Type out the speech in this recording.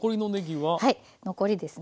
はい残りですね。